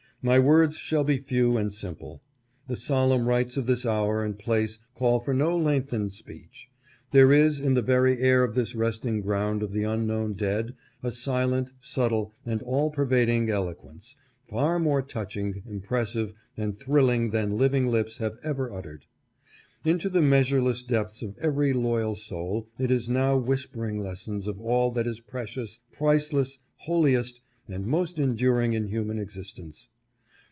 My words shall be few and simple. The solemn rites of this hour and place call for no lengthened speech. There is, in the very air of this resting ground of the unknown dead a silent, subtle and all pervad ing eloquence, far more touching, impressive, and thrilling than living lips have ever uttered. Into the measureless depths of every loyal soul it is now whispering lessons of all that is precious, priceless', holi est, and most enduring in human existence.